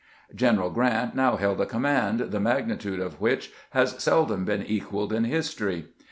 General Grant now held a command the magnitude of which has seldom been equaled in history.